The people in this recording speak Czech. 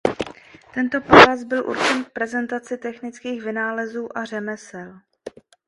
Tento palác byl určen k prezentaci technických vynálezů a řemesel.